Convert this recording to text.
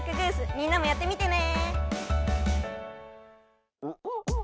みんなもやってみてね！